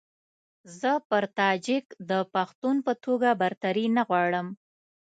زه پر تاجک د پښتون په توګه برتري نه غواړم.